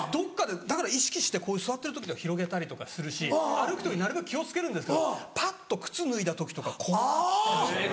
だから意識してこういう座ってる時広げたりとかするし歩く時なるべく気を付けるんですけどパッと靴脱いだ時とかこう。